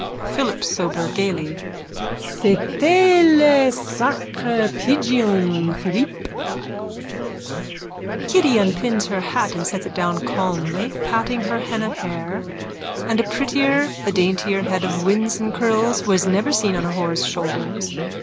_ PHILIP SOBER: (Gaily.) C'était le sacré pigeon, Philippe. _(Kitty unpins her hat and sets it down calmly, patting her henna hair. And a prettier, a daintier head of winsome curls was never seen on a whore's shoulders.